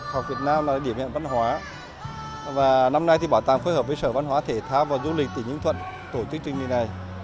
học việt nam là điểm hẹn văn hóa và năm nay thì bảo tàng phối hợp với sở văn hóa thể thao và du lịch tỉnh ninh thuận tổ chức trình nghị này